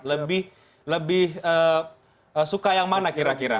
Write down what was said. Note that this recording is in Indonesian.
lebih suka yang mana kira kira